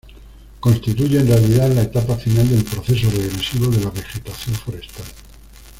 Constituyen, en realidad, la etapa final del proceso regresivo de la vegetación forestal.